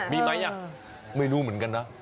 มีไหมไม่รู้เหมือนกันนะ